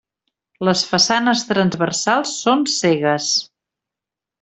Les façanes transversals són cegues.